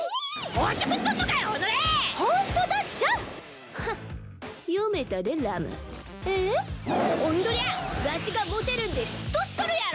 おんどりゃわしがモテるんで嫉妬しとるやろ！